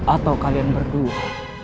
atau kalian berdua